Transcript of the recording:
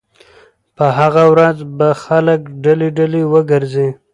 په هغه ورځ به خلک ډلې ډلې ورګرځي